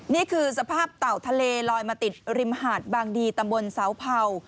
นี่คือสภาพเต่าทะเลลอยมาติดริมหาดบางดีตำบลเสาเผา